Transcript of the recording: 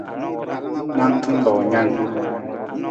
Nanta loo nan.